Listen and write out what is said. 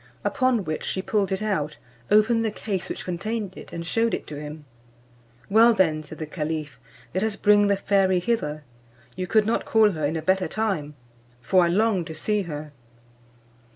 Upon which she pulled it out, opened the case which contained it, and shewed it to him. "Well then," said the caliph, "let us bring the fairy hither; you could not call her in a better time, for I long to see her."